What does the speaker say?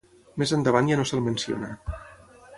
Més endavant ja no se'l menciona.